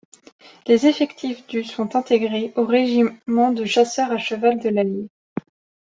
Les effectifs du sont intégrés au régiment de chasseurs à cheval de l'Allier.